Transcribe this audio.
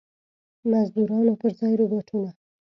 مزدورانو پر ځای روباټونه.